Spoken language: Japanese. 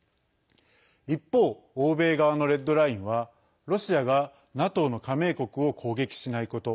一方、欧米側のレッドラインはロシアが、ＮＡＴＯの加盟国を攻撃しないこと。